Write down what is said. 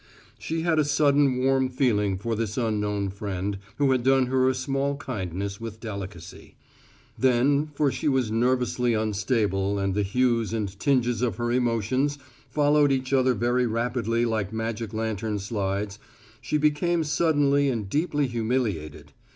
She had a sudden warm feeling for this unknown friend who had done her a small kindness with delicacy. Then, for she was nervously unstable and the hues and tinges of her emotions followed each other very rapidly like magic lantern slides, she became suddenly and deeply humiliated.